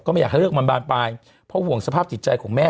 ไม่อยากให้เรื่องมันบานปลายเพราะห่วงสภาพจิตใจของแม่